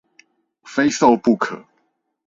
非瘦不可